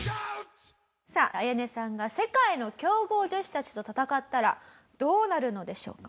さあアヤネさんが世界の強豪女子たちと戦ったらどうなるのでしょうか？